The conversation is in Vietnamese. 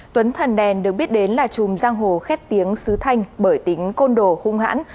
tuấn thần đèn được biết đến là chùm giang hồ khét tiếng sứ thanh bởi tính côn đồ hung hãn